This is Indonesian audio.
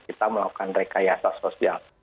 kita melakukan rekayasa sosial